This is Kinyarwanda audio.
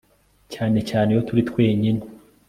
cyane cyane iyo turi twenyine